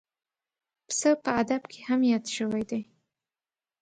پسه په ادب کې هم یاد شوی دی.